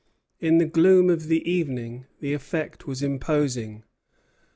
In the gloom of the evening the effect was imposing.